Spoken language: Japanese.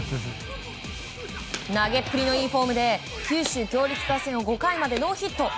投げっぷりのいいフォームで九州共立打線を５回までノーヒット。